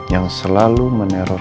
yang selalu meneror